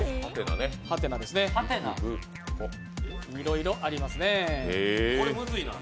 いろいろありますね。